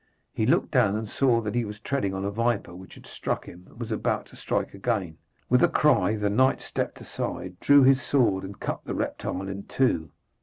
He looked down and saw that he was treading on a viper, which had struck him and was about to strike again. With a cry the knight stepped aside, drew his sword, and cut the reptile in two.